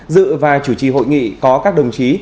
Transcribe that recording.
dự và chủ trì hội nghị có các đồng chí